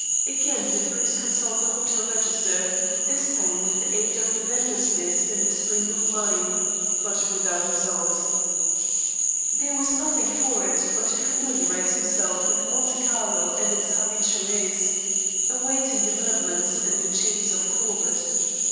Again did Bruce consult the hotel register, this time with the aid of the vendors' list in the Springbok Mine, but without result. There was nothing for it but to familiarize himself with Monte Carlo and its habitués, awaiting developments in the chase of Corbett.